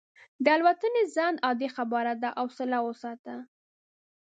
د الوتنې ځنډ عادي خبره ده، حوصله وساته.